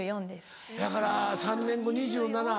せやから３年後２７歳。